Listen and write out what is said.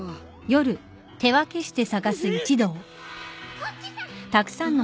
こっちさ！